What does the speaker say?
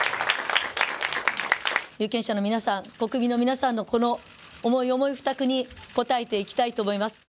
有権者の皆さん、国民の皆さんのこの重い負託に応えていきたいと思います。